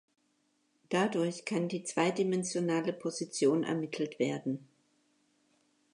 Dadurch kann die zweidimensionale Position ermittelt werden.